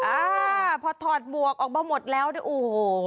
อ่าพอทอดหมวกออกมาหมดแล้วโอ้โห